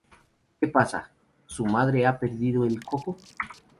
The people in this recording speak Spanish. ¿ Qué pasa? ¿ su madre ha perdido el coco?